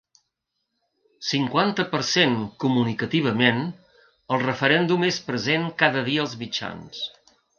Cinquanta per cent Comunicativament, el referèndum és present cada dia als mitjans.